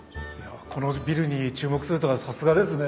このビルに注目するとはさすがですね。